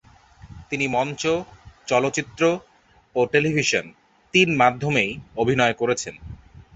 তিনি মঞ্চ, চলচ্চিত্র ও টেলিভিশন – তিন মাধ্যমেই অভিনয় করেছেন।